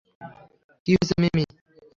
কী হয়েছে, মিমি?